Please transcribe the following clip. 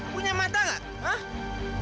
punya mata gak